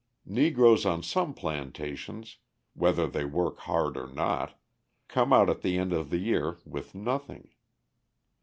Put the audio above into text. Negroes on some plantations, whether they work hard or not, come out at the end of the year with nothing.